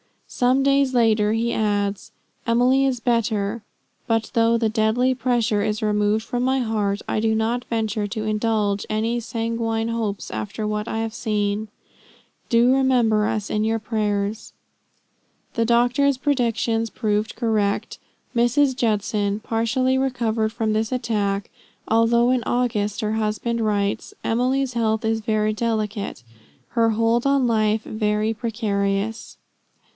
Some days later he adds: "Emily is better. But though the deadly pressure is removed from my heart, I do not venture to indulge any sanguine hopes after what I have seen. Do remember us in your prayers." The doctor's predictions proved correct; Mrs. Judson partially recovered from this attack, although in August her husband writes: "Emily's health is very delicate her hold on life very precarious."